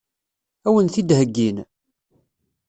Ad wen-t-id-heggin?